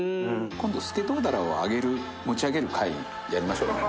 今度スケトウダラを上げる持ち上げる回やりましょうね。